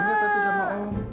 kamu gak mau